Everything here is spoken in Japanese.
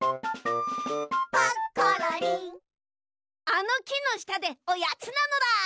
あのきのしたでおやつなのだ！